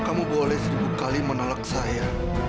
kamu boleh seribu kali menolak saya